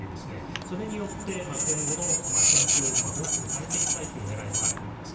それによって今後の戦況を大きく変えていきたいという狙いもあると思います。